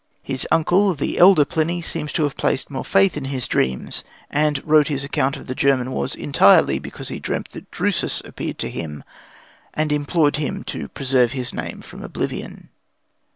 His uncle, the elder Pliny, seems to have placed more faith in his dreams, and wrote his account of the German wars entirely because he dreamt that Drusus appeared to him and implored him to preserve his name from oblivion.